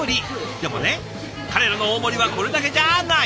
でもね彼らの大盛りはこれだけじゃない！